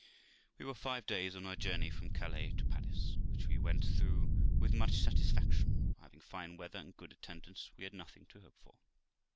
We were five days on our journey from Calais to Paris, which we went through with much satisfaction, for, having fine weather and good attendance, we had nothing to hope for.